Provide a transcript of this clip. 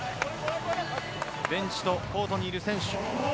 ベンチとコートにいる選手